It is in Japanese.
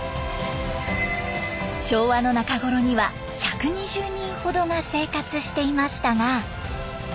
昭和の中頃には１２０人ほどが生活していましたが。